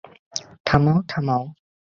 থামাও, থামাও!